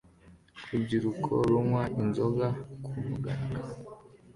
Urubyiruko runywa inzoga kumugaragaro